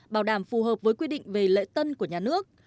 bảo đảm phù hợp với quy định về lễ tân của nhà nước